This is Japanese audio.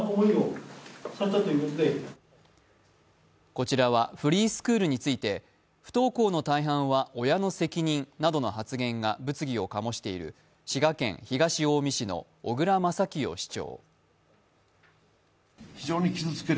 こちらはフリースクールについて不登校の大半は親の責任などの発言が物議を醸している滋賀県東近江市の小椋正清市長。